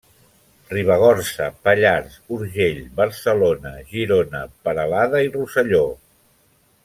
Ribagorça, Pallars, Urgell, Barcelona, Girona, Peralada i Rosselló.